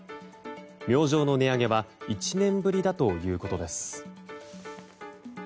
明星の値上げは１年ぶりだということです。